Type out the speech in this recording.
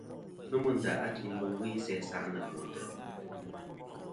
Nomɨ nda a kindo ghɨ isæ isa' nɨ bo ntè'.